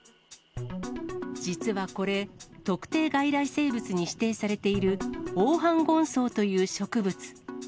実はこれ、特定外来生物に指定されている、オオハンゴンソウという植物。